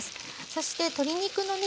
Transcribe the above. そして鶏肉のね